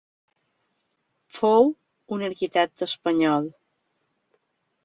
Fou un arquitecte espanyol.